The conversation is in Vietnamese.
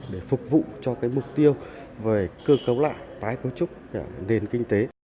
để phục vụ cho mục tiêu về cơ cấu lại tái cấu trúc nền kinh tế